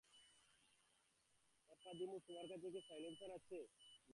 Pappadimos, তোমার কাছে কি সাইলেন্সার আছে?